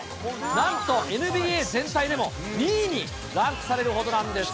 なんとＮＢＡ全体でも２位にランクされるほどなんです。